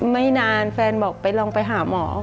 ไม่นานแฟนบอกไปลองไปหาหมอ